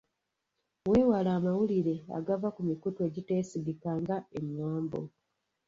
Weewale amawulire agava ku mikutu egiteesigika nga engambo.